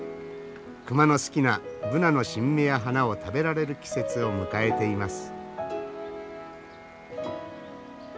熊の好きなブナの新芽や花を食べられる季節を迎えています。